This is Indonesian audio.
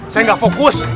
saya gak fokus